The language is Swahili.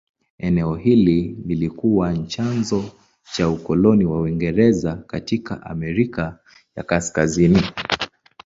Eneo hili lilikuwa chanzo cha ukoloni wa Uingereza katika Amerika ya Kaskazini.